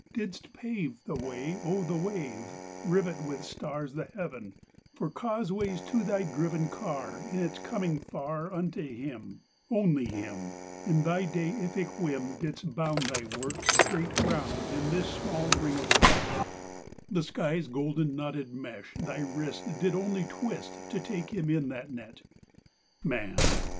Didst pave The way o' the wave, Rivet with stars the Heaven, For causeways to Thy driven Car In its coming far Unto him, only him; In Thy deific whim Didst bound Thy works' great round In this small ring of flesh; The sky's gold knotted mesh Thy wrist Did only twist To take him in that net. Man!